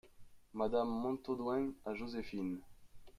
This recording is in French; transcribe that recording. Madame Montaudoin , à Joséphine.